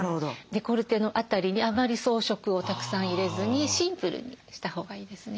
デコルテの辺りにあまり装飾をたくさん入れずにシンプルにしたほうがいいですね。